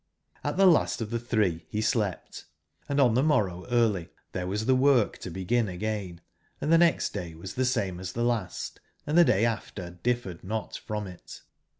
Ht tbe last of tbe tbree be slept, & on tbe morrow early tbere was tbe work to begin again ; and tbe next day was tbe same as tbe last, and tbe day after differed not from it.